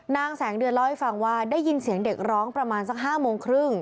นางแสงเดือนเล่าให้ฟังว่าได้ยินเสียงเด็กร้องประมาณสัก๕โมงครึ่ง